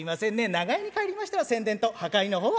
長屋に帰りましたら宣伝と破壊の方は」。